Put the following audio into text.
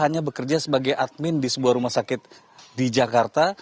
hanya bekerja sebagai admin di sebuah rumah sakit di jakarta